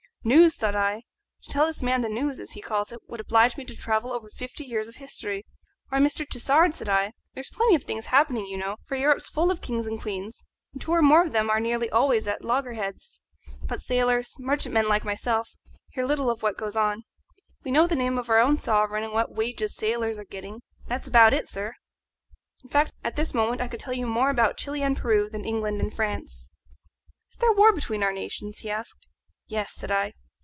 News! thought I; to tell this man the news, as he calls it, would oblige me to travel over fifty years of history. "Why, Mr. Tassard," said I, "there's plenty of things happening, you know, for Europe's full of kings and queens, and two or more of them are nearly always at loggerheads; but sailors merchantmen like myself hear little of what goes on. We know the name of our own sovereign and what wages sailors are getting; that's about it, sir. In fact, at this moment I could tell you more about Chili and Peru than England and France." "Is there war between our nations?" he asked. "Yes," said I.